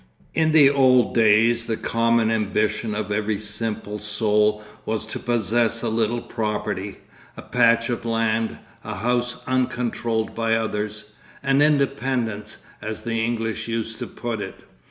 In the old days the common ambition of every simple soul was to possess a little property, a patch of land, a house uncontrolled by others, an 'independence' as the English used to put it.